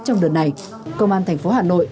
trong đợt này công an tp hà nội